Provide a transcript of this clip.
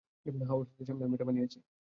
হ্যাঁ, ওর স্মৃতির সম্মানে আমি এটা বানিয়েছি।